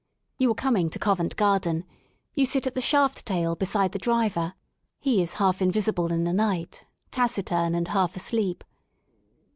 You are coming to Co vent Garden, you sit at the shaft tail beside the driver, he is half invisible in the night, taciturn and half asleep.